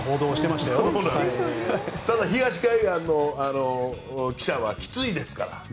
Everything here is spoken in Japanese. ただ、東海岸の記者はきついですから。